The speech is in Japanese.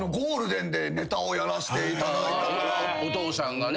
お父さんがね。